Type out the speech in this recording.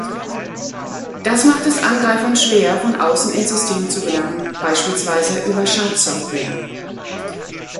Das macht es Angreifern schwer, von außen ins System zu gelangen, beispielsweise über Schadsoftware.